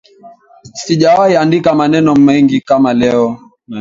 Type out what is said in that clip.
Sijawahi andika maneno mengi kama leo